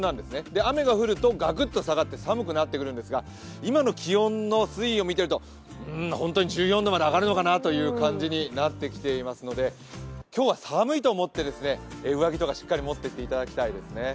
雨が降るとガクッと下がって寒くなってくるんですが今の気温の推移を見ていると本当に１４度まで上がるのかなという感じになっているんで、今日は寒いと思って上着とか持っていっていただきたいです。